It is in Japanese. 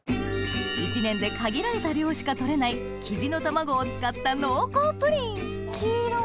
１年で限られた量しか取れないキジの卵を使った濃厚プリン黄色い。